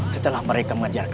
setelah mereka menjaga kakak